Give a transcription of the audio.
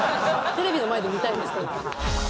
テレビの前で見たいですこれは。